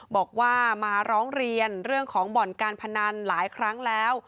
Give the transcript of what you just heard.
บอกว่ามาร้องเรียนเรื่องของบ่อนการพนันหลายครั้งแล้ว